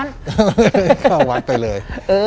เข้าวัดไปเลย